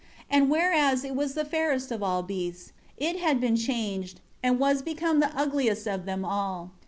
4 And whereas it was the fairest of all beasts, it had been changed, and was become the ugliest of them all.